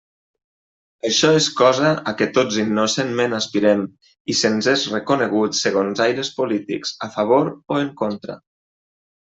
Això és cosa a què tots innocentment aspirem, i se'ns és reconegut segons aires polítics a favor o en contra.